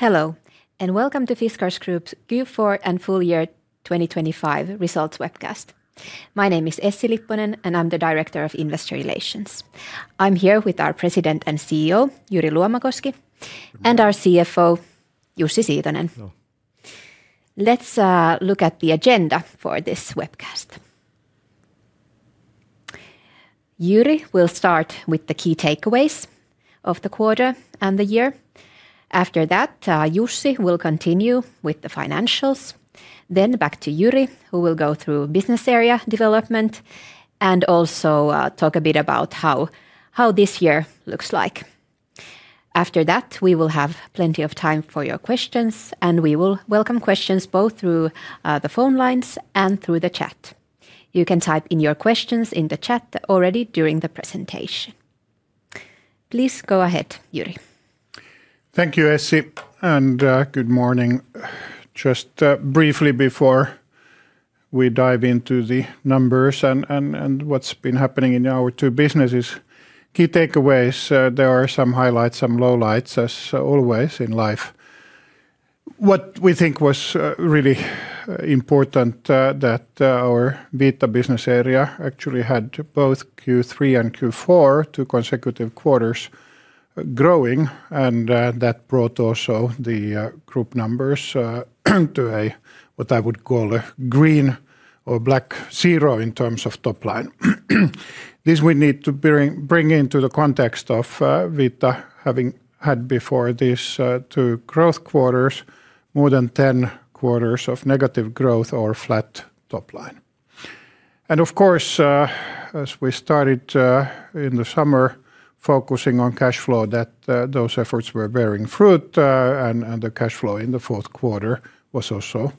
Hello and welcome to Fiskars Group's Q4 and full year 2025 results webcast. My name is Essi Lipponen and I'm the Director of Investor Relations. I'm here with our President and CEO Jyri Luomakoski and our CFO Jussi Siitonen. Let's look at the agenda for this webcast. Jyri will start with the key takeaways of the quarter and the year. After that, Jussi will continue with the financials. Then back to Jyri, who will go through business area development and also talk a bit about how this year looks like. After that, we will have plenty of time for your questions and we will welcome questions both through the phone lines and through the chat. You can type in your questions in the chat already during the presentation. Please go ahead, Jyri. Thank you, Essi. Good morning. Just briefly before we dive into the numbers and what's been happening in our two businesses, key takeaways, there are some highlights, some lowlights, as always in life. What we think was really important that our Vita business area actually had both Q3 and Q4, two consecutive quarters, growing and that brought also the group numbers to what I would call a green or black zero in terms of topline. This we need to bring into the context of Vita having had before these two growth quarters more than ten quarters of negative growth or flat topline. And of course, as we started in the summer focusing on cash flow, that those efforts were bearing fruit and the cash flow in the fourth quarter was also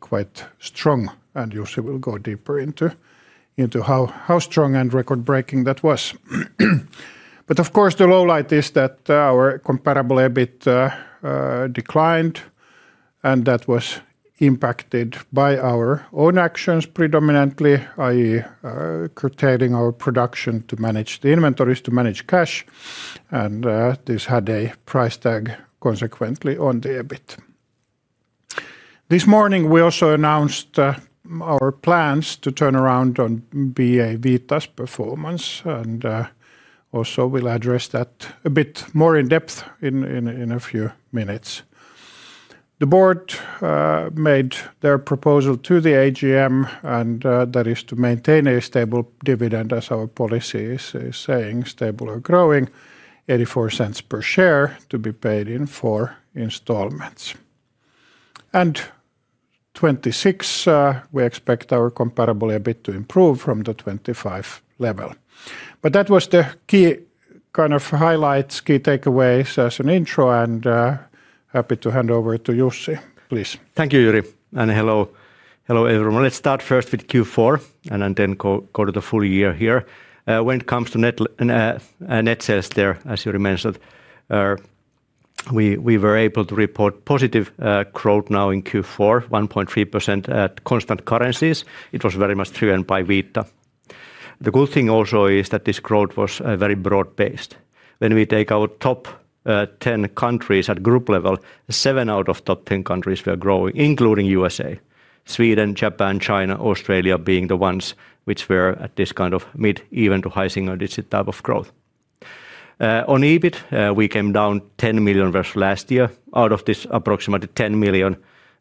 quite strong and Jussi will go deeper into how strong and record-breaking that was. But of course, the lowlight is that our comparable EBIT declined, and that was impacted by our own actions predominantly, i.e., curtailing our production to manage the inventories, to manage cash. And this had a price tag consequently on the EBIT. This morning, we also announced our plans to turn around on BA Vita's performance and also will address that a bit more in depth in a few minutes. The board made their proposal to the AGM, and that is to maintain a stable dividend as our policy is saying, stable or growing, 0.84 per share to be paid in four installments. In 2026, we expect our comparable EBIT to improve from the 2025 level. But that was the key kind of highlights, key takeaways as an intro, and happy to hand over to Jussi. Please. Thank you, Jyri. Hello everyone. Let's start first with Q4 and then go to the full year here. When it comes to net sales there, as you remember, we were able to report positive growth now in Q4, 1.3% at constant currencies. It was very much driven by Vita. The good thing also is that this growth was very broad-based. When we take our top 10 countries at group level, seven out of top 10 countries were growing, including the USA, Sweden, Japan, China, Australia being the ones which were at this kind of mid-even to high single digit type of growth. On EBIT, we came down 10 million versus last year. Out of this approximately 10 million,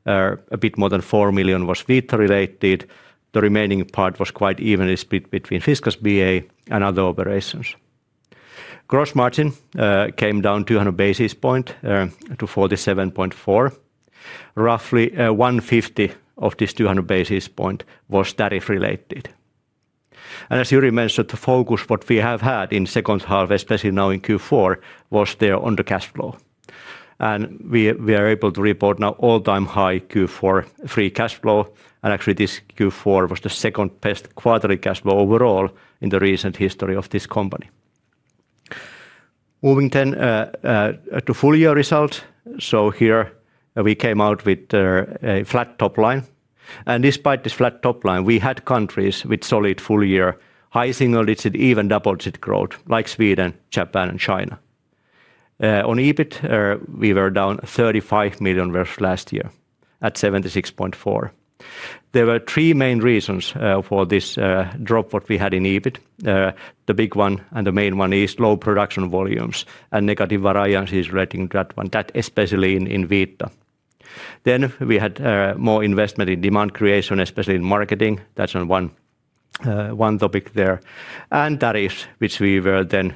a bit more than 4 million was Vita related. The remaining part was quite evenly split between Fiskars BA and other operations. Gross margin came down 200 basis points to 47.4%. Roughly 150 of this 200 basis points was tariff related. And as Jyri mentioned, the focus what we have had in the second half, especially now in Q4, was there on the cash flow. And we are able to report now all-time high Q4 free cash flow. And actually this Q4 was the second best quarterly cash flow overall in the recent history of this company. Moving then to full year results. So here we came out with a flat topline. And despite this flat topline, we had countries with solid full year, high single digit, even double digit growth like Sweden, Japan, and China. On EBIT, we were down 35 million versus last year at 76.4 million. There were three main reasons for this drop what we had in EBIT. The big one and the main one is low production volumes and negative variances relating to that one, that especially in BA Vita. Then we had more investment in demand creation, especially in marketing. That's one topic there. Tariffs, which we were then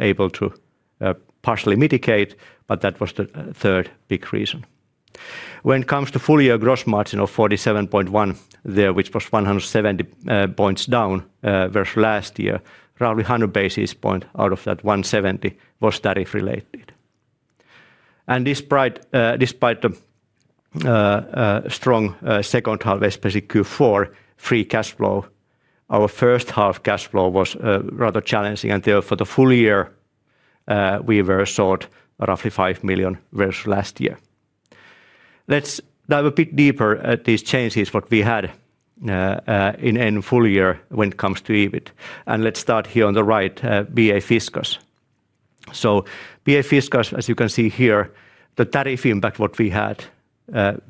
able to partially mitigate, but that was the third big reason. When it comes to full year gross margin of 47.1% there, which was 170 basis points down versus last year, roughly 100 basis points out of that 170 was tariff related. Despite the strong second half, especially Q4, free cash flow, our first half cash flow was rather challenging and therefore the full year we were short roughly 5 million versus last year. Let's dive a bit deeper at these changes, what we had in full year when it comes to EBIT. Let's start here on the right, BA Fiskars. So BA Fiskars, as you can see here, the tariff impact what we had,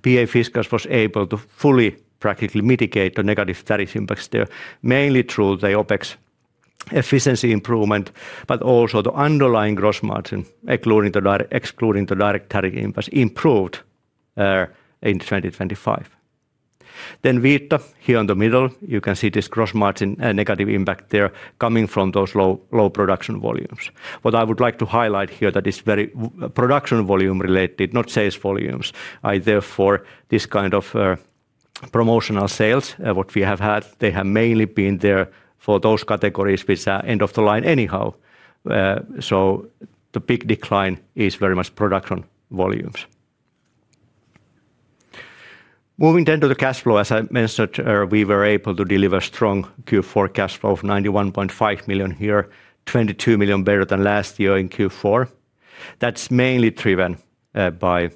BA Fiskars was able to fully practically mitigate the negative tariff impacts there, mainly through the OpEx efficiency improvement, but also the underlying gross margin, excluding the direct tariff impacts, improved in 2025. Then BA Vita, here in the middle, you can see this gross margin negative impact there coming from those low production volumes. What I would like to highlight here that is very production volume related, not sales volumes. I therefore this kind of promotional sales what we have had, they have mainly been there for those categories which are end of the line anyhow. So the big decline is very much production volumes. Moving then to the cash flow, as I mentioned, we were able to deliver strong Q4 cash flow of 91.5 million here, 22 million better than last year in Q4. That's mainly driven by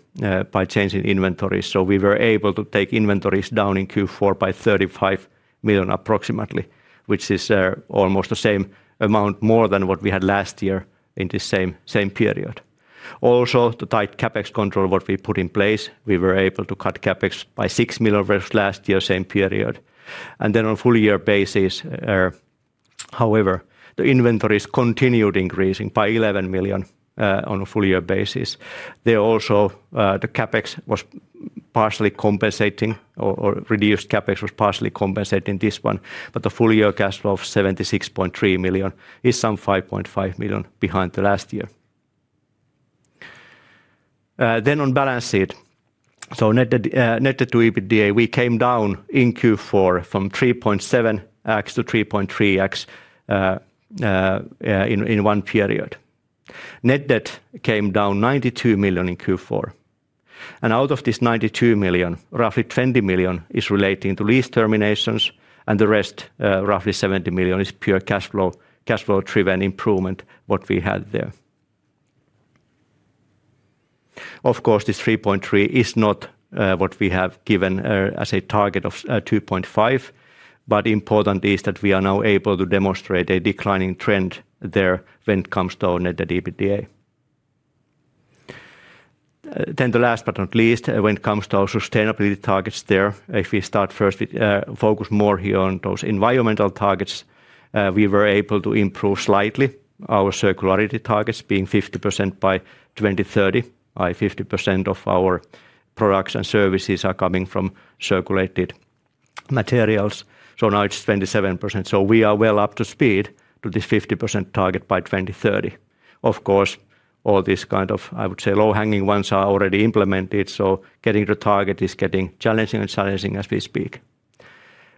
change in inventories. So we were able to take inventories down in Q4 by 35 million approximately, which is almost the same amount more than what we had last year in this same period. Also the tight CapEx control what we put in place, we were able to cut CapEx by 6 million versus last year, same period. And then on full year basis, however, the inventories continued increasing by 11 million on a full year basis. There also the CapEx was partially compensating or reduced CapEx was partially compensating this one, but the full year cash flow of 76.3 million is some 5.5 million behind the last year. Then on balance sheet, so net debt to EBITDA, we came down in Q4 from 3.7x to 3.3x in one period. Net debt came down 92 million in Q4. Out of this 92 million, roughly 20 million is relating to lease terminations and the rest, roughly 70 million, is pure cash flow driven improvement what we had there. Of course this 3.3x is not what we have given as a target of 2.5x, but, important is that we are now able to demonstrate a declining trend there when it comes to net debt to EBITDA. Then, last but not least, when it comes to our sustainability targets there, if we start first with focus more here on those environmental targets, we were able to improve slightly our circularity targets being 50% by 2030. i.e., 50% of our products and services are coming from circular materials. So now it's 27%. So we are well up to speed to this 50% target by 2030. Of course all these kind of I would say low hanging ones are already implemented. So getting to target is getting challenging and challenging as we speak.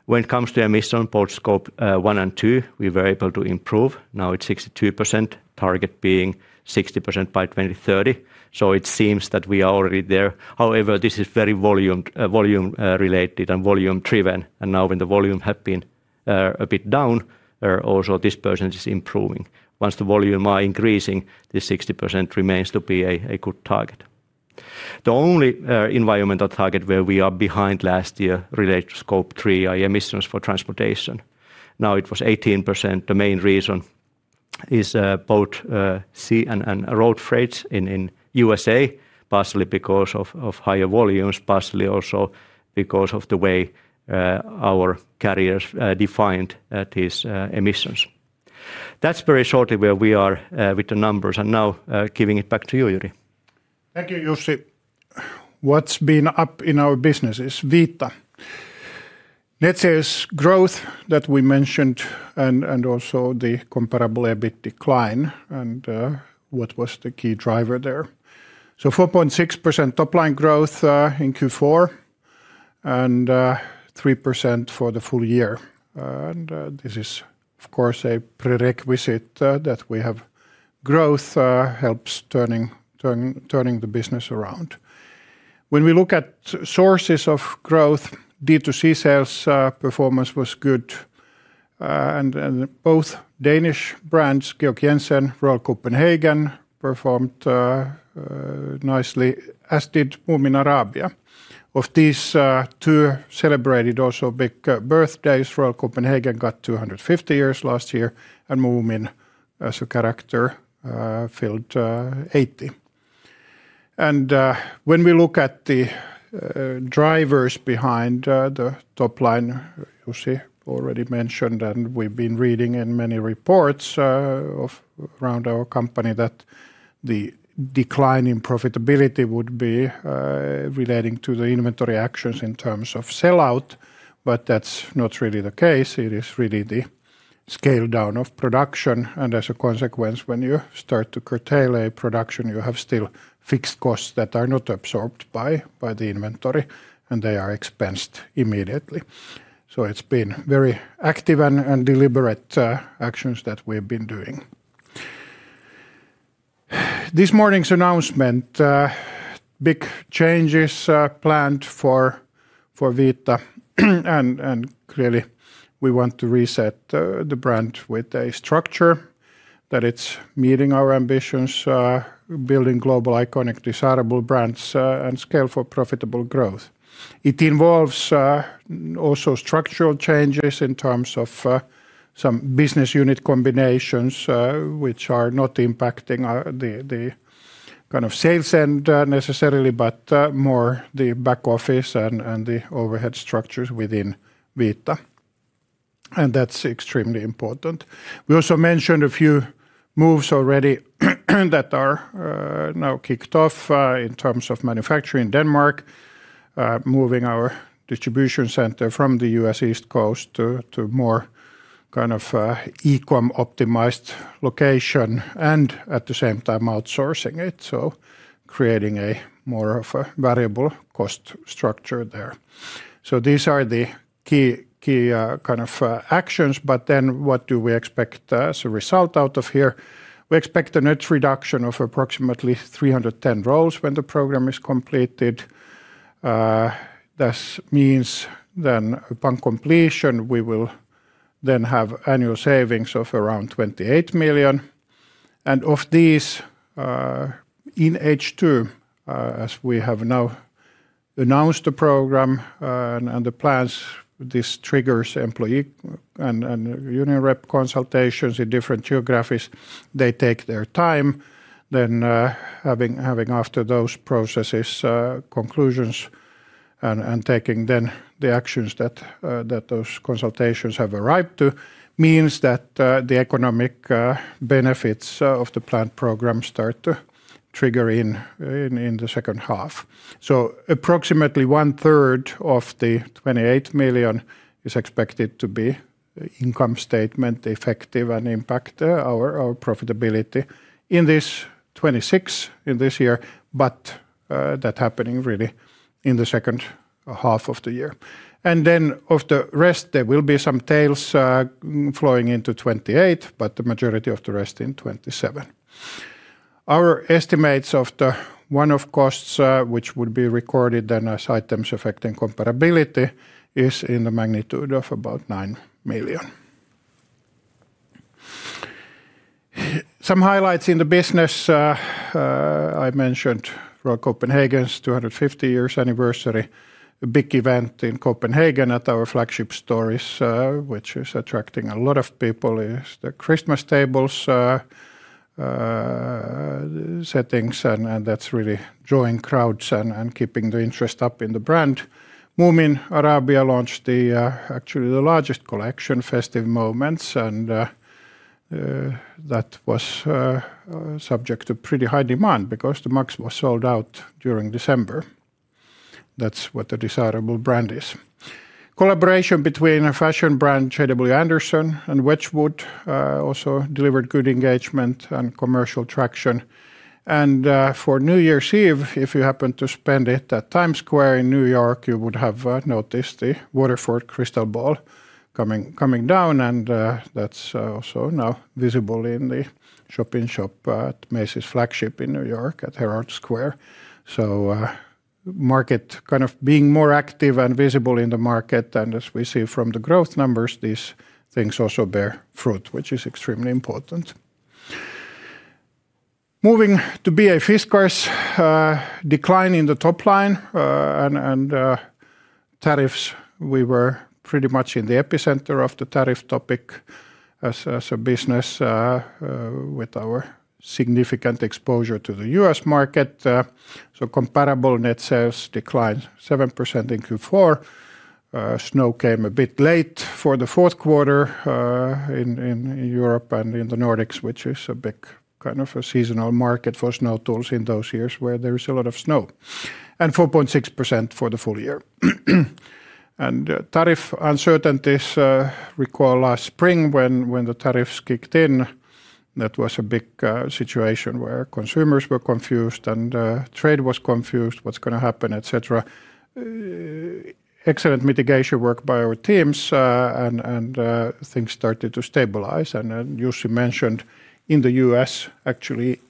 When it comes to emissions, both Scope 1 and 2, we were able to improve. Now it's 62%, target being 60% by 2030. So it seems that we are already there. However this is very volume related and volume driven. And now when the volume has been a bit down, also this percentage is improving. Once the volume is increasing, this 60% remains to be a good target. The only environmental target where we are behind last year related to Scope 3 emissions for transportation. Now it was 18%. The main reason is both sea and road freights in the USA, partially because of higher volumes, partially also because of the way our carriers defined these emissions. That's very shortly where we are with the numbers and now giving it back to you, Jyri. Thank you, Jussi. What's been up in our businesses, Vita? Net sales growth that we mentioned and also the comparable EBIT decline and what was the key driver there. So 4.6% topline growth in Q4 and 3% for the full year. And this is of course a prerequisite that we have growth helps turning the business around. When we look at sources of growth, D2C sales performance was good. And both Danish brands, Georg Jensen, Royal Copenhagen performed nicely, as did Moomin Arabia. Of these two celebrated also big birthdays, Royal Copenhagen got 250 years last year and Moomin as a character filled 80. And when we look at the drivers behind the topline, Jussi already mentioned and we've been reading in many reports around our company that the decline in profitability would be relating to the inventory actions in terms of sellout. But that's not really the case. It is really the scale down of production and as a consequence when you start to curtail production, you have still fixed costs that are not absorbed by the inventory and they are expensed immediately. So it's been very active and deliberate actions that we've been doing. This morning's announcement, big changes planned for Vita and clearly we want to reset the brand with a structure that it's meeting our ambitions, building global iconic desirable brands and scale for profitable growth. It involves also structural changes in terms of some business unit combinations, which are not impacting the kind of sales end necessarily, but more the back office and the overhead structures within Vita. And that's extremely important. We also mentioned a few moves already that are now kicked off in terms of manufacturing in Denmark, moving our distribution center from the U.S. East Coast to more kind of e-com optimized location and at the same time outsourcing it. So creating a more of a variable cost structure there. So these are the key kind of actions, but then what do we expect as a result out of here? We expect a net reduction of approximately 310 roles when the program is completed. That means then upon completion we will then have annual savings of around 28 million. And of these in H2, as we have now announced the program and the plans, this triggers employee and union rep consultations in different geographies. They take their time. Then having after those processes conclusions and taking then the actions that those consultations have arrived to means that the economic benefits of the planned program start to trigger in the second half. So approximately one third of the 28 million is expected to be income statement effective and impact our profitability in this 2026, in this year, but that happening really in the second half of the year. And then of the rest there will be some tails flowing into 2028, but the majority of the rest in 2027. Our estimates of the one-off costs, which would be recorded then as items affecting comparability, is in the magnitude of about 9 million. Some highlights in the business. I mentioned Royal Copenhagen's 250-year anniversary. A big event in Copenhagen at our flagship stores, which is attracting a lot of people, is the Christmas table settings and that's really drawing crowds and keeping the interest up in the brand. Moomin Arabia launched actually the largest collection, Festive Moments. And that was subject to pretty high demand because the mugs were sold out during December. That's what the desirable brand is. Collaboration between a fashion brand, JW Anderson and Wedgwood also delivered good engagement and commercial traction. And for New Year's Eve, if you happen to spend it at Times Square in New York, you would have noticed the Waterford Crystal Ball coming down and that's also now visible in the shop-in-shop at Macy's flagship in New York at Herald Square. So the market kind of being more active and visible in the market and as we see from the growth numbers, these things also bear fruit, which is extremely important. Moving to BA Fiskars, decline in the top line and tariffs, we were pretty much in the epicenter of the tariff topic as a business with our significant exposure to the U.S. market. So comparable net sales declined 7% in Q4. Snow came a bit late for the fourth quarter in Europe and in the Nordics, which is a big kind of a seasonal market for snow tools in those years where there is a lot of snow. And 4.6% for the full year. And tariff uncertainties, recall last spring when the tariffs kicked in, that was a big situation where consumers were confused and trade was confused, what's going to happen, et cetera. Excellent mitigation work by our teams and things started to stabilize. Jussi mentioned in the U.S. actually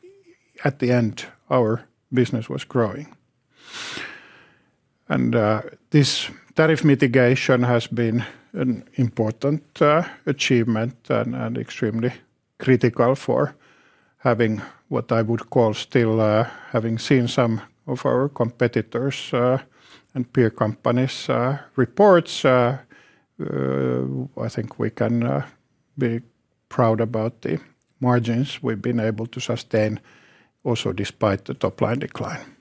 at the end our business was growing. This tariff mitigation has been an important achievement and extremely critical for having what I would call still having seen some of our competitors and peer companies reports. I think we can be proud about the margins we've been able to sustain also despite the topline decline.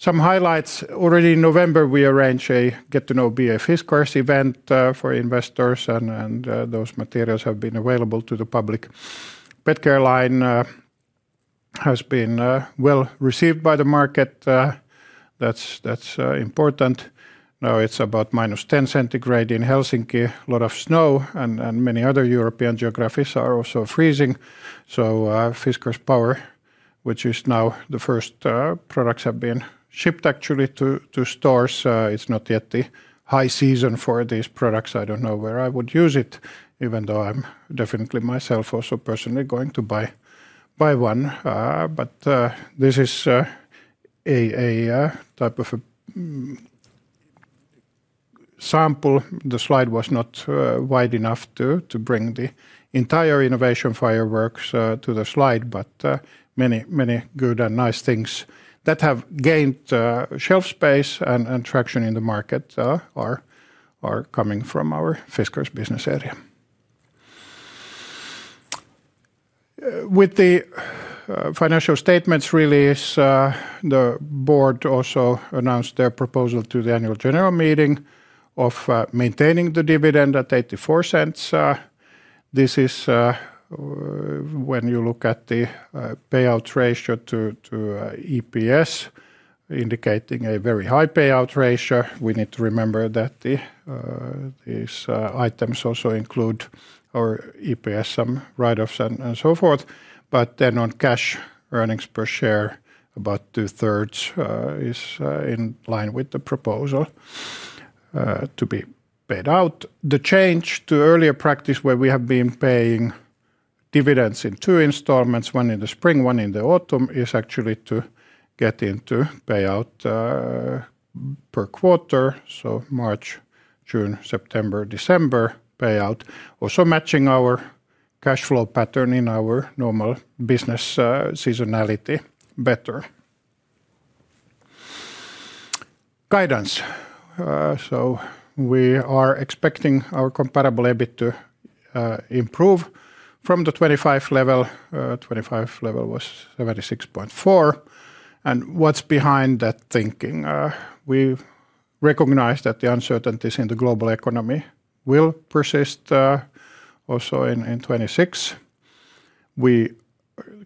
Some highlights. Already in November we arranged a get-to-know BA Fiskars event for investors and those materials have been available to the public. Pet Care line has been well received by the market. That's important. Now it's about -10 degrees centigrade in Helsinki, a lot of snow and many other European geographies are also freezing. So Fiskars Power, which is now the first products have been shipped actually to stores. It's not yet the high season for these products. I don't know where I would use it, even though I'm definitely myself also personally going to buy one. But this is a type of a sample. The slide was not wide enough to bring the entire innovation fireworks to the slide, but many good and nice things that have gained shelf space and traction in the market are coming from our Fiskars business area. With the financial statements release, the board also announced their proposal to the Annual General Meeting of maintaining the dividend at 0.84. This is when you look at the payout ratio to EPS indicating a very high payout ratio. We need to remember that these items also include our EPS, some write-offs and so forth. But then on cash earnings per share, about two thirds is in line with the proposal to be paid out. The change to earlier practice where we have been paying dividends in two installments, one in the spring, one in the autumn is actually to get into payout per quarter. So March, June, September, December payout. Also matching our cash flow pattern in our normal business seasonality better. Guidance. So we are expecting our comparable EBIT to improve from the 2025 level. 2025 level was 76.4 million. And what's behind that thinking? We recognize that the uncertainties in the global economy will persist also in 2026. We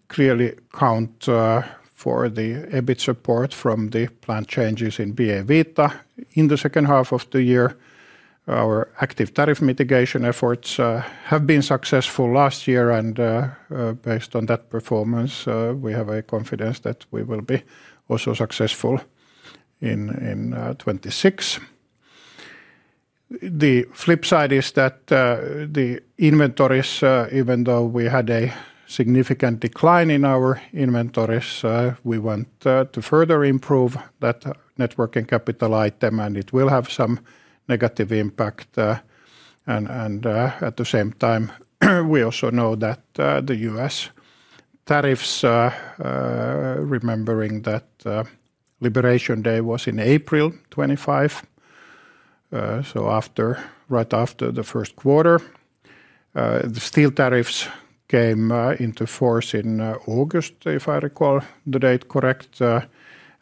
clearly count on the EBIT support from the planned changes in BA Vita in the second half of the year. Our active tariff mitigation efforts have been successful last year and based on that performance, we have confidence that we will be also successful in 2026. The flip side is that the inventories, even though we had a significant decline in our inventories, we want to further improve that working capital item and it will have some negative impact. And at the same time, we also know that the US tariffs, remembering that Liberation Day was in April 2025. So right after the first quarter, the steel tariffs came into force in August, if I recall the date correct.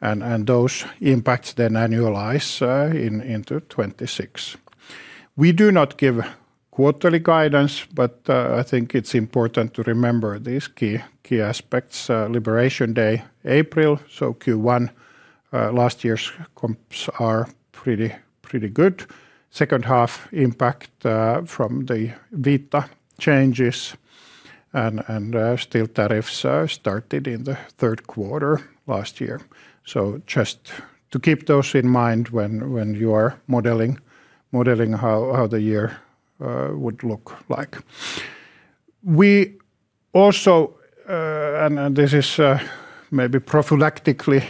And those impacts then annualize into 2026. We do not give quarterly guidance, but I think it's important to remember these key aspects. Liberation Day, April, so Q1 last year's comps are pretty good. Second half impact from the Vita changes and steel tariffs started in the third quarter last year. So just to keep those in mind when you are modeling how the year would look like. We also, and this is maybe prophylactically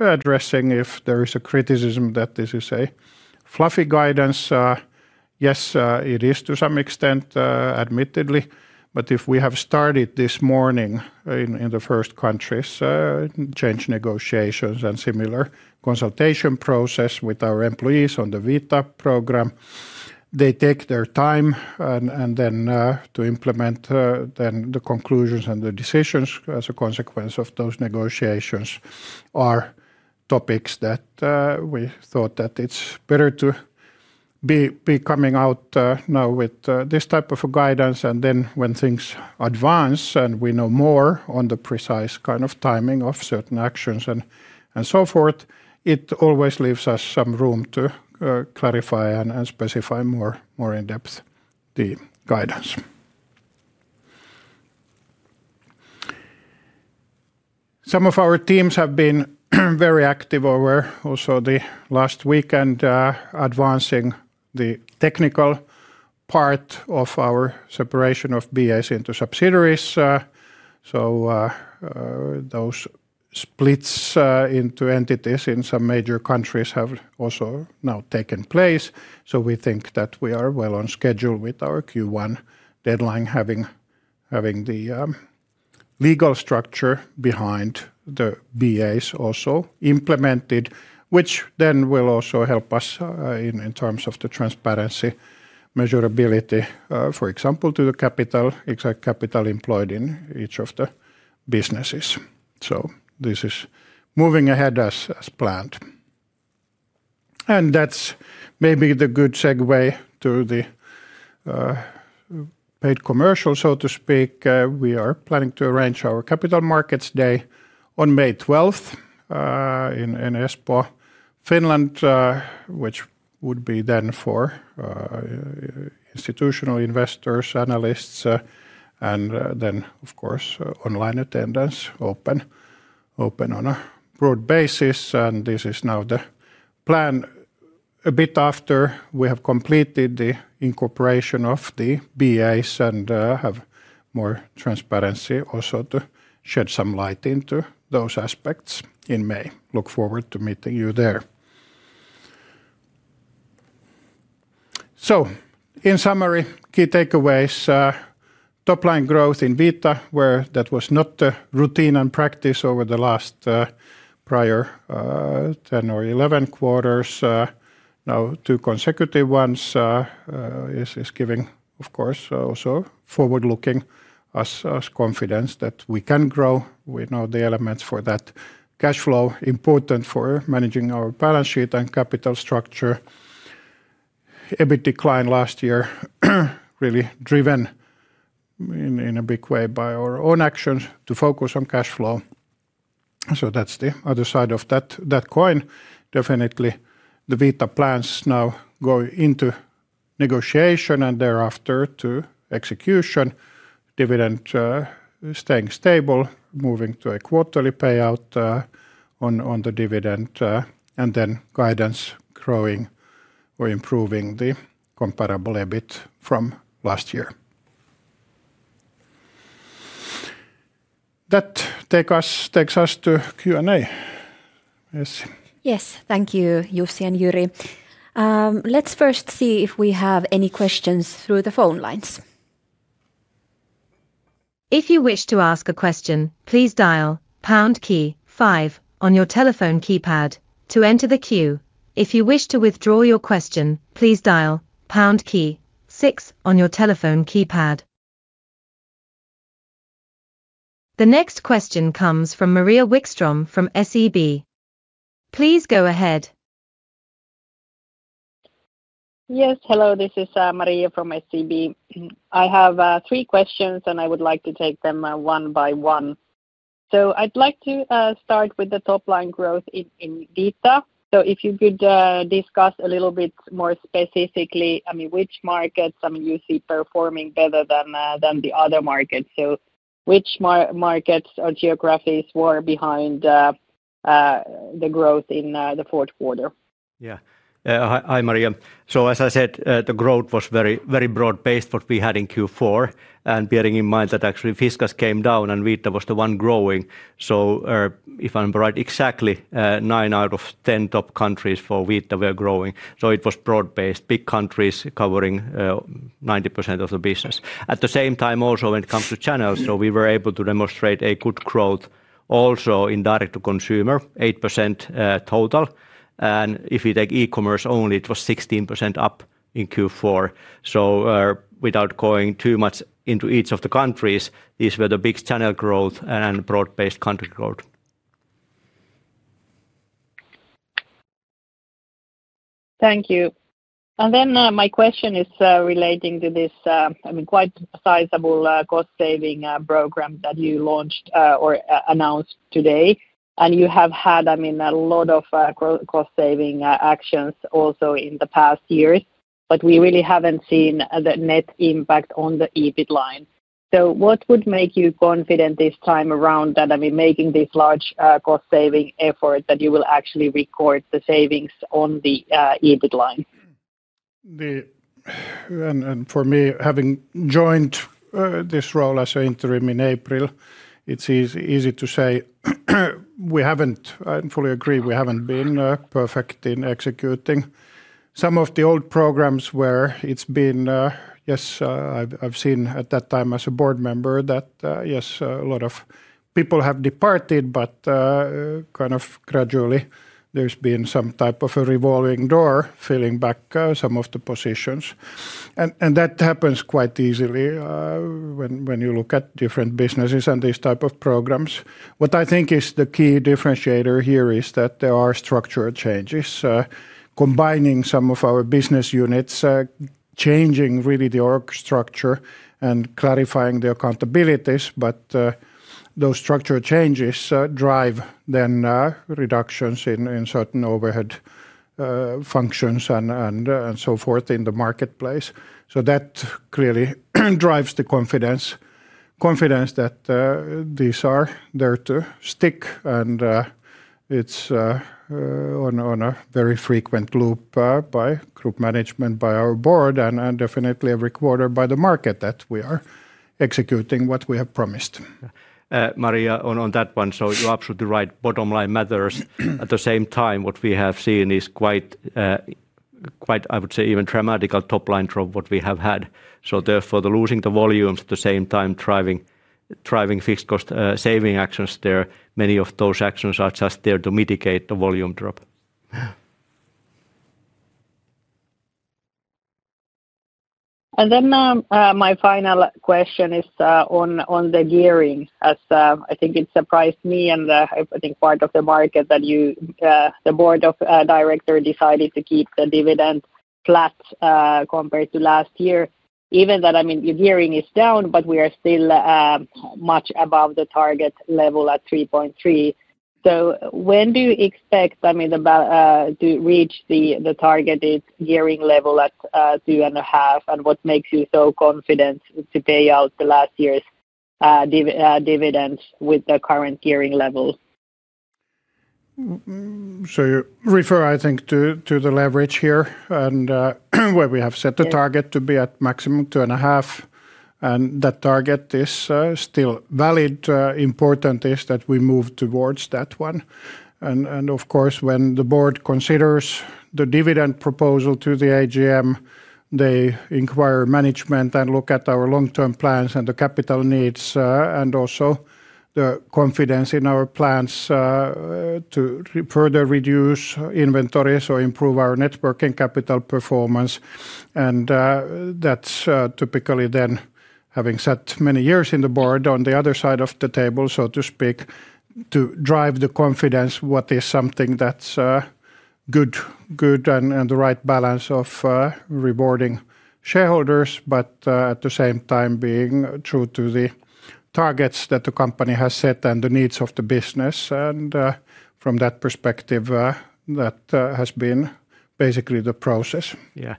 addressing if there is a criticism that this is a fluffy guidance. Yes, it is to some extent, admittedly. But if we have started this morning in the first countries change negotiations and similar consultation process with our employees on the Vita program, they take their time and then to implement then the conclusions and the decisions as a consequence of those negotiations are topics that we thought that it's better to be coming out now with this type of a guidance. And then when things advance and we know more on the precise kind of timing of certain actions and so forth, it always leaves us some room to clarify and specify more in depth the guidance. Some of our teams have been very active over also the last weekend advancing the technical part of our separation of BAs into subsidiaries. So those splits into entities in some major countries have also now taken place. We think that we are well on schedule with our Q1 deadline having the legal structure behind the BAs also implemented, which then will also help us in terms of the transparency, measurability, for example, to the capital employed in each of the businesses. This is moving ahead as planned. That's maybe a good segue to the BA commercial, so to speak. We are planning to arrange our Capital Markets Day on May 12th in Espoo, Finland, which would be then for institutional investors, analysts, and then, of course, online attendance open on a broad basis. This is now the plan a bit after we have completed the incorporation of the BAs and have more transparency also to shed some light into those aspects in May. Look forward to meeting you there. So in summary, key takeaways: topline growth in Vita, where that was not the routine and practice over the last prior 10 or 11 quarters. Now two consecutive ones is giving, of course, also forward-looking us confidence that we can grow. We know the elements for that. Cash flow, important for managing our balance sheet and capital structure. EBIT decline last year really driven in a big way by our own actions to focus on cash flow. So that's the other side of that coin. Definitely the Vita plans now go into negotiation and thereafter to execution. Dividend staying stable, moving to a quarterly payout on the dividend, and then guidance growing or improving the comparable EBIT from last year. That takes us to Q&A. Yes, thank you, Jussi and Jyri. Let's first see if we have any questions through the phone lines. If you wish to ask a question, please dial pound key five on your telephone keypad to enter the queue. If you wish to withdraw your question, please dial pound key six on your telephone keypad. The next question comes from Maria Wikström from SEB. Please go ahead. Yes, hello, this is Maria from SEB. I have three questions and I would like to take them one by one. So I'd like to start with the top-line growth in Vita. So if you could discuss a little bit more specifically, I mean, which markets you see performing better than the other markets. So which markets or geographies were behind the growth in the fourth quarter? Yeah. Hi Maria. So as I said, the growth was very broad-based what we had in Q4. And bearing in mind that actually Fiskars came down and Vita was the one growing. So if I'm right, exactly 9 out of 10 top countries for Vita were growing. So it was broad-based, big countries covering 90% of the business. At the same time also when it comes to channels, so we were able to demonstrate a good growth also in direct-to-consumer, 8% total. And if you take e-commerce only, it was 16% up in Q4. So without going too much into each of the countries, these were the big channel growth and broad-based country growth. Thank you. And then my question is relating to this, I mean, quite sizable cost-saving program that you launched or announced today. And you have had a lot of cost-saving actions also in the past years, but we really haven't seen the net impact on the EBIT line. So what would make you confident this time around that, I mean, making this large cost-saving effort that you will actually record the savings on the EBIT line? And for me, having joined this role as an interim in April, it's easy to say we haven't, I fully agree, we haven't been perfect in executing. Some of the old programs where it's been, yes, I've seen at that time as a board member that yes, a lot of people have departed, but kind of gradually there's been some type of a revolving door filling back some of the positions. And that happens quite easily when you look at different businesses and these type of programs. What I think is the key differentiator here is that there are structural changes. Combining some of our business units, changing really the org structure and clarifying the accountabilities, but those structural changes drive then reductions in certain overhead functions and so forth in the marketplace. So that clearly drives the confidence that these are there to stick. And it's on a very frequent loop by group management, by our board, and definitely every quarter by the market that we are executing what we have promised. Maria, on that one, so you're absolutely right. Bottom line matters. At the same time, what we have seen is quite, I would say, even dramatic top-line drop what we have had. So therefore, losing the volumes at the same time driving fixed cost saving actions there, many of those actions are just there to mitigate the volume drop. And then my final question is on the gearing, as I think it surprised me and I think part of the market that the board of directors decided to keep the dividend flat compared to last year. Even that, I mean, your gearing is down, but we are still much above the target level at 3.3x. So when do you expect, I mean, to reach the targeted gearing level at 2.5x? And what makes you so confident to pay out the last year's dividends with the current gearing level? So you refer, I think, to the leverage here and where we have set the target to be at maximum 2.5x. And that target is still valid. Important is that we move towards that one. Of course, when the board considers the dividend proposal to the AGM, they inquire management and look at our long-term plans and the capital needs and also the confidence in our plans to further reduce inventories or improve our working capital performance. And that's typically then having sat many years in the board on the other side of the table, so to speak, to drive the confidence what is something that's good and the right balance of rewarding shareholders, but at the same time being true to the targets that the company has set and the needs of the business. And from that perspective, that has been basically the process. Yeah.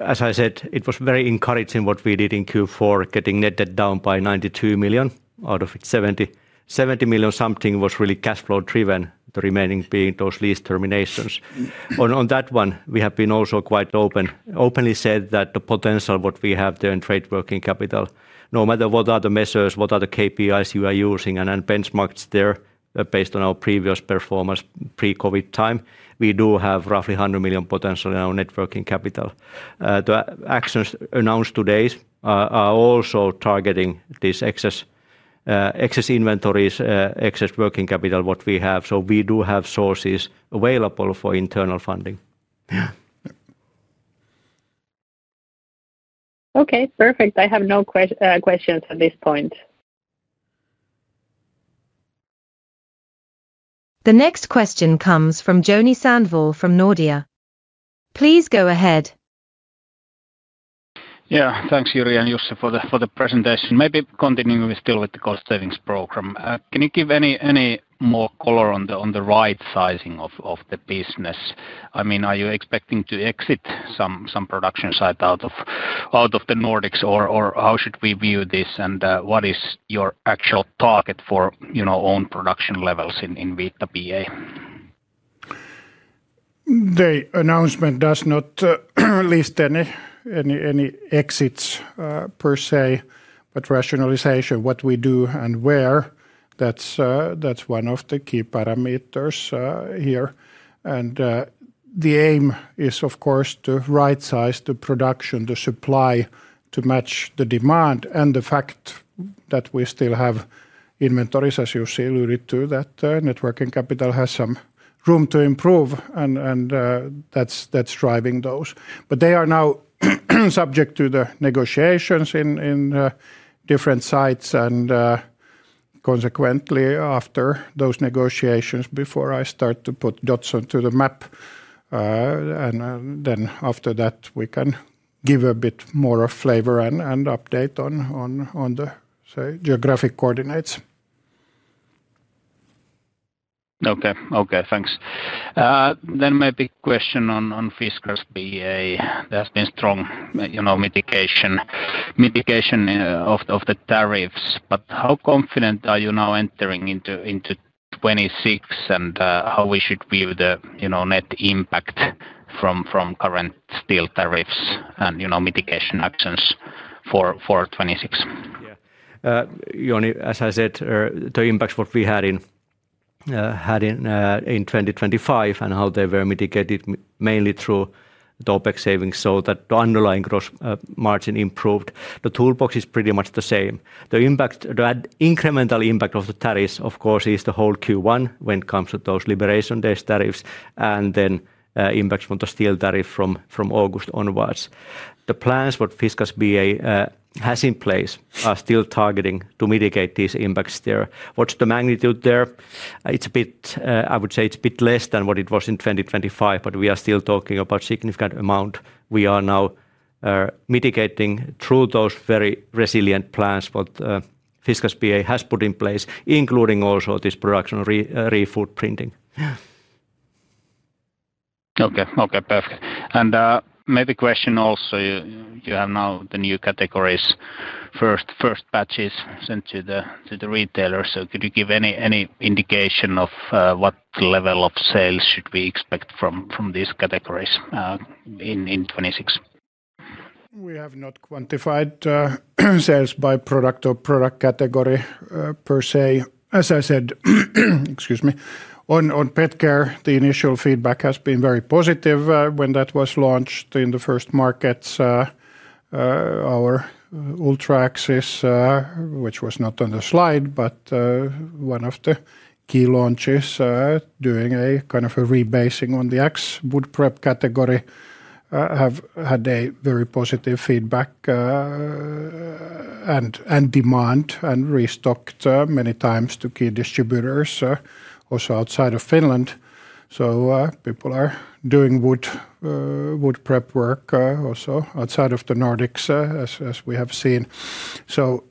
As I said, it was very encouraging what we did in Q4, getting net debt down by 92 million out of 70 million. Something was really cash flow driven, the remaining being those lease terminations. On that one, we have been also quite openly said that the potential what we have there in trade working capital, no matter what other measures, what other KPIs you are using and benchmarks there based on our previous performance pre-COVID time, we do have roughly 100 million potential in our net working capital. The actions announced today are also targeting these excess inventories, excess working capital what we have. So we do have sources available for internal funding. Yeah. Okay, perfect. I have no questions at this point. The next question comes from Joni Sandvall from Nordea. Please go ahead. Yeah, thanks Jyri and Jussi for the presentation. Maybe continuing still with the cost-savings program. Can you give any more color on the right-sizing of the business? I mean, are you expecting to exit some production site out of the Nordics or how should we view this? And what is your actual target for own production levels in Vita BA? The announcement does not list any exits per se, but rationalization what we do and where. That's one of the key parameters here. And the aim is, of course, to right-size the production, the supply to match the demand and the fact that we still have inventories, as Jussi alluded to, that net working capital has some room to improve. And that's driving those. But they are now subject to the negotiations in different sites. And consequently, after those negotiations, before I start to put dots onto the map, and then after that we can give a bit more of flavor and update on the geographic coordinates. Okay, thanks. Then maybe question on Fiskars BA. There has been strong mitigation of the tariffs, but how confident are you now entering into 2026 and how we should view the net impact from current steel tariffs and mitigation actions for 2026? Yeah. Joni, as I said, the impacts what we had in 2025 and how they were mitigated mainly through OpEx savings so that the underlying gross margin improved. The toolbox is pretty much the same. The incremental impact of the tariffs, of course, is the whole Q1 when it comes to those Liberation Day tariffs and then impacts from the steel tariff from August onwards. The plans what Fiskars BA has in place are still targeting to mitigate these impacts there. What's the magnitude there? I would say it's a bit less than what it was in 2025, but we are still talking about a significant amount. We are now mitigating through those very resilient plans what BA Fiskars has put in place, including also this production refootprinting. Okay, perfect. And maybe question also, you have now the new categories, first batches sent to the retailers. So could you give any indication of what level of sales should we expect from these categories in 2026? We have not quantified sales by product or product category per se. As I said, excuse me, on Petcare, the initial feedback has been very positive when that was launched in the first markets. Our Ultra axes, which was not on the slide, but one of the key launches doing a kind of a rebasing on the axes wood prep category, have had a very positive feedback and demand and restocked many times to key distributors also outside of Finland. So people are doing wood prep work also outside of the Nordics, as we have seen. So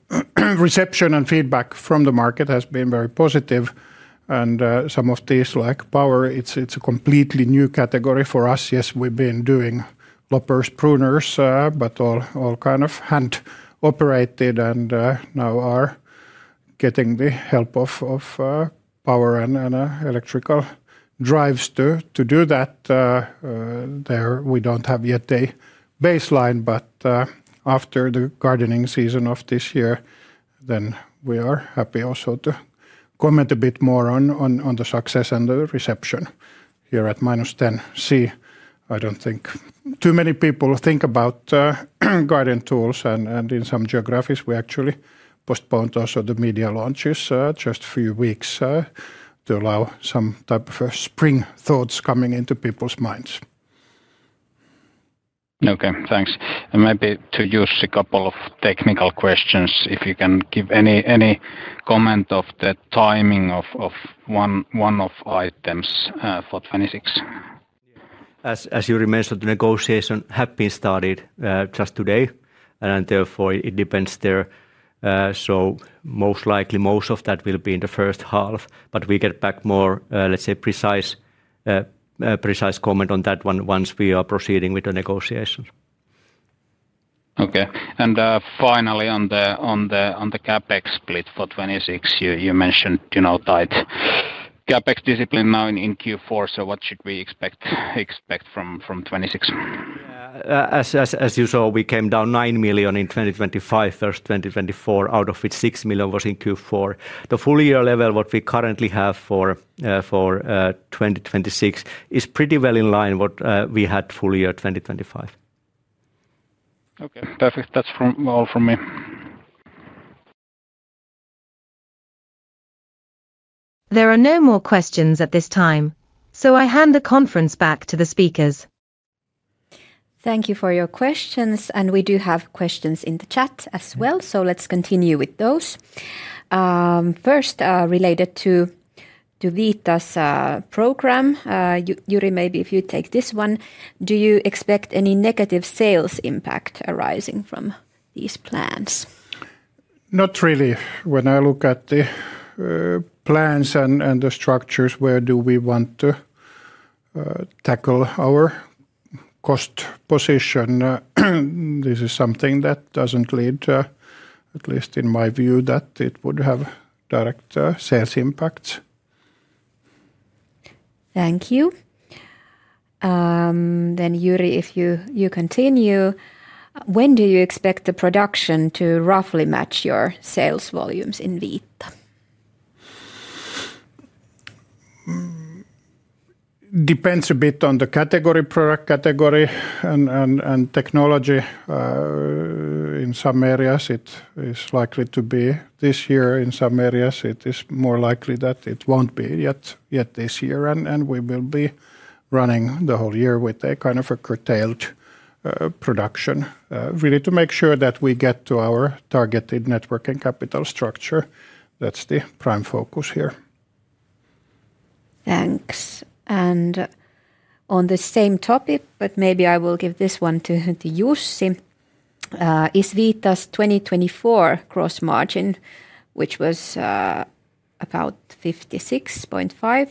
reception and feedback from the market has been very positive. And some of these, like power, it's a completely new category for us. Yes, we've been doing loppers, pruners, but all kind of hand-operated and now are getting the help of power and electrical drives to do that. We don't have yet a baseline, but after the gardening season of this year, then we are happy also to comment a bit more on the success and the reception here at -10C. I don't think too many people think about garden tools. And in some geographies, we actually postponed also the media launches just a few weeks to allow some type of spring thoughts coming into people's minds. Okay, thanks. And maybe to Jussi, a couple of technical questions. If you can give any comment of the timing of one-off items for 2026. As Jyri mentioned, the negotiation has been started just today. Therefore, it depends there. So most likely, most of that will be in the first half. But we get back more, let's say, precise comment on that one once we are proceeding with the negotiations. Okay. And finally, on the CapEx split for 2026, you mentioned tight CapEx discipline now in Q4. So what should we expect from 2026? Yeah. As you saw, we came down 9 million in 2025, first 2024, out of which 6 million was in Q4. The full year level what we currently have for 2026 is pretty well in line what we had full year 2025. Okay, perfect. That's all from me. There are no more questions at this time, so I hand the conference back to the speakers. Thank you for your questions. We do have questions in the chat as well, so let's continue with those. First, related to Vita's program, Jyri, maybe if you take this one, do you expect any negative sales impact arising from these plans? Not really. When I look at the plans and the structures, where do we want to tackle our cost position? This is something that doesn't lead, at least in my view, that it would have direct sales impacts. Thank you. Jyri, if you continue, when do you expect the production to roughly match your sales volumes in Vita? Depends a bit on the category, product category, and technology. In some areas, it is likely to be. This year, in some areas, it is more likely that it wont be yet this year. We will be running the whole year with a kind of a curtailed production, really to make sure that we get to our targeted working capital structure. That's the prime focus here. Thanks. And on the same topic, but maybe I will give this one to Jussi. Is Vita's 2024 gross margin, which was about 56.5,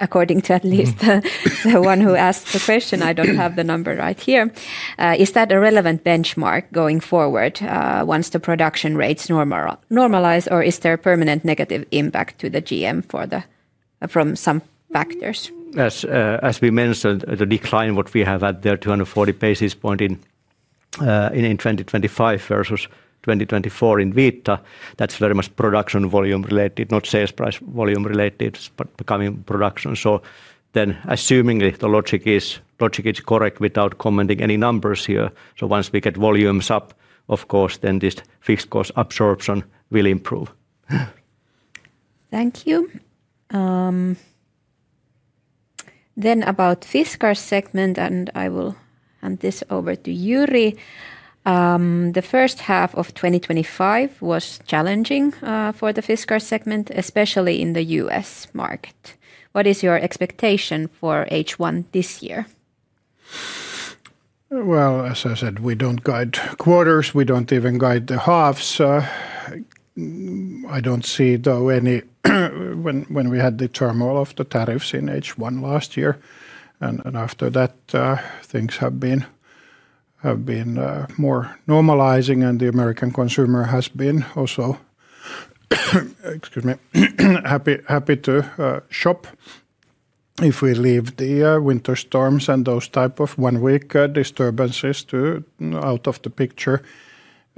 according to at least the one who asked the question, I don't have the number right here, is that a relevant benchmark going forward once the production rates normalize? Or is there a permanent negative impact to the GM from some factors? As we mentioned, the decline what we have at their 240 basis points in 2025 versus 2024 in Vita, that's very much production volume related, not sales price volume related, but becoming production. So then assumingly the logic is correct without commenting any numbers here. So once we get volumes up, of course, then this fixed cost absorption will improve. Thank you. Then about Fiskars segment, and I will hand this over to Jyri. The first half of 2025 was challenging for the Fiskars segment, especially in the U.S. market. What is your expectation for H1 this year? Well, as I said, we don't guide quarters. We don't even guide the halves. I don't see, though, any when we had the turmoil of all the tariffs in H1 last year. And after that, things have been more normalizing. And the American consumer has been also happy to shop. If we leave the winter storms and those type of one-week disturbances out of the picture,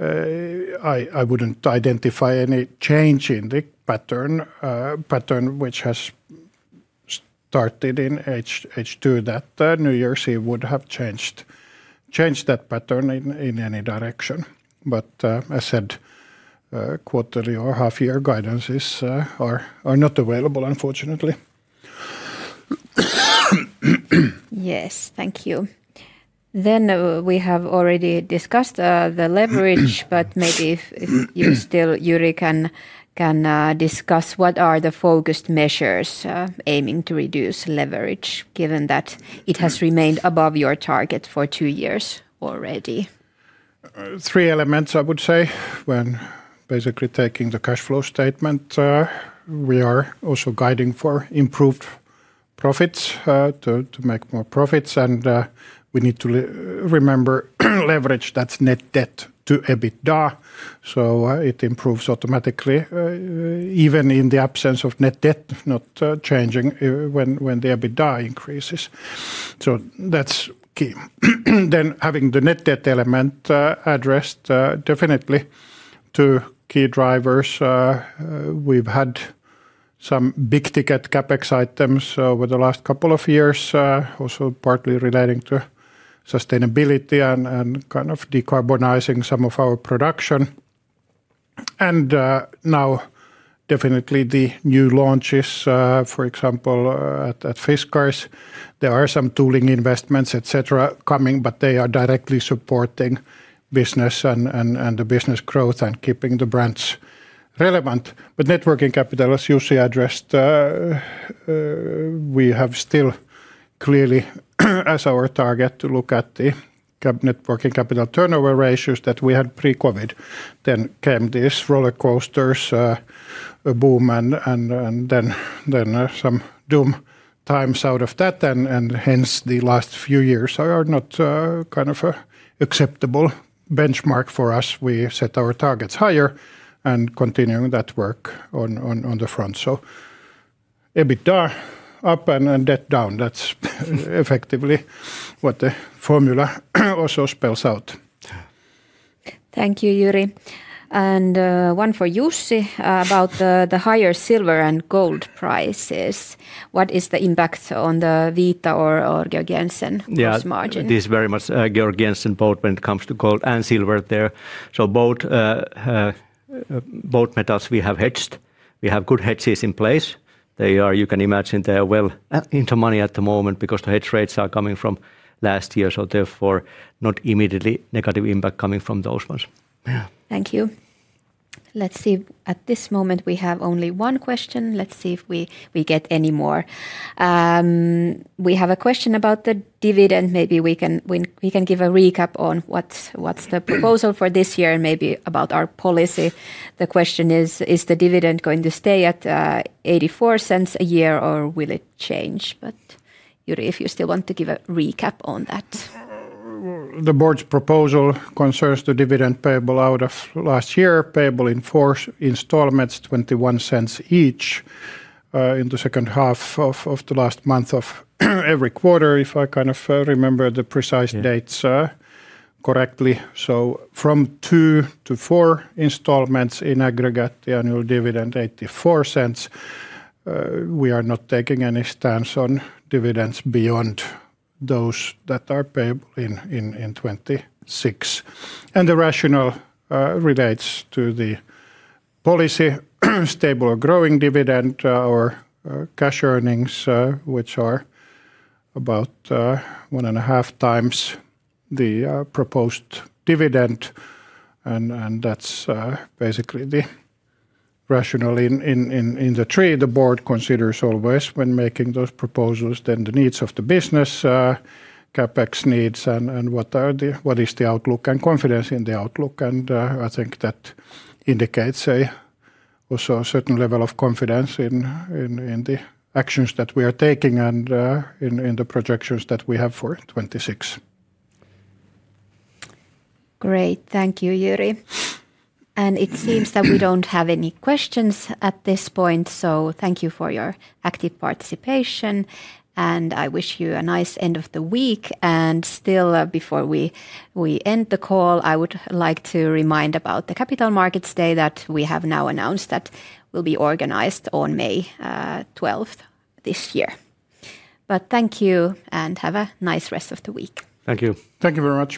I wouldn't identify any change in the pattern which has started in H2 that New Year's Eve would have changed that pattern in any direction. But as said, quarterly or half-year guidances are not available, unfortunately. Yes, thank you. Then we have already discussed the leverage, but maybe if you still, Jyri, can discuss what are the focused measures aiming to reduce leverage given that it has remained above your target for two years already? Three elements, I would say. When basically taking the cash flow statement, we are also guiding for improved profits to make more profits. And we need to remember leverage, that's net debt to EBITDA. So it improves automatically even in the absence of net debt, not changing when the EBITDA increases. So that's key. Then having the net debt element addressed definitely two key drivers. We've had some big-ticket CapEx items over the last couple of years, also partly relating to sustainability and kind of decarbonizing some of our production. Now definitely the new launches, for example, at Fiskars, there are some tooling investments, etc., coming, but they are directly supporting business and the business growth and keeping the brands relevant. But working capital, as Jussi addressed, we have still clearly as our target to look at the working capital turnover ratios that we had pre-COVID. Then came these roller coasters boom and then some doom times out of that. And hence, the last few years are not kind of an acceptable benchmark for us. We set our targets higher and continuing that work on the front. So EBITDA up and debt down. That's effectively what the formula also spells out. Thank you, Jyri. And one for Jussi about the higher silver and gold prices. What is the impact on the Vita or Georg Jensen gross margin? Yeah, it is very much Georg Jensen both when it comes to gold and silver there. So both metals we have hedged. We have good hedges in place. You can imagine they are well into money at the moment because the hedge rates are coming from last year. So therefore, no immediately negative impact coming from those ones. Thank you. Let's see. At this moment, we have only one question. Let's see if we get any more. We have a question about the dividend. Maybe we can give a recap on what's the proposal for this year and maybe about our policy. The question is, is the dividend going to stay at 0.84 a year or will it change? But Jyri, if you still want to give a recap on that. The board's proposal concerns the dividend payable out of last year, payable in four installments, 0.21 each in the second half of the last month of every quarter, if I kind of remember the precise dates correctly. So from two to four installments in aggregate, the annual dividend 0.84. We are not taking any stance on dividends beyond those that are payable in 2026. The rationale relates to the policy, stable or growing dividend, our cash earnings, which are about 1.5x the proposed dividend. That's basically the rationale in the three the board considers always when making those proposals, then the needs of the business, CapEx needs, and what is the outlook and confidence in the outlook. I think that indicates also a certain level of confidence in the actions that we are taking and in the projections that we have for 2026. Great. Thank you, Jyri. It seems that we don't have any questions at this point. Thank you for your active participation. I wish you a nice end of the week. Still, before we end the call, I would like to remind about the Capital Markets Day that we have now announced that will be organized on May 12th this year. Thank you and have a nice rest of the week. Thank you. Thank you very much.